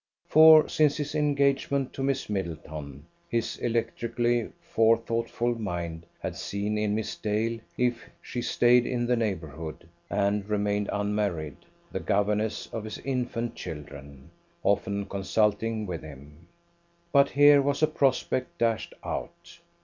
For, since his engagement to Miss Middleton, his electrically forethoughtful mind had seen in Miss Dale, if she stayed in the neighbourhood, and remained unmarried, the governess of his infant children, often consulting with him. But here was a prospect dashed out.